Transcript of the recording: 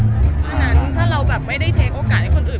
เพราะฉะนั้นถ้าเราแบบไม่ได้เทคโอกาสให้คนอื่น